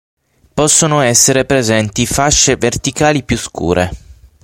Possono essere presenti fasce verticali più scure.